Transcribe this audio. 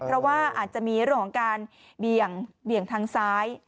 เพราะว่าอาจจะมีเรื่องของการเบี่ยงทางซ้าย